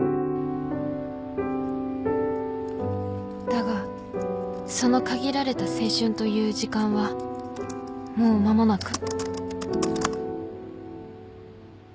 「だがその限られた青春という時間はもう間も無く」